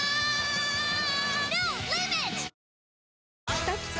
きたきた！